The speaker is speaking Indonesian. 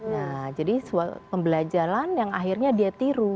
nah jadi suatu pembelajaran yang akhirnya dia tiru